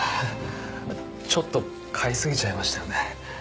ちょっと買いすぎちゃいましたよね。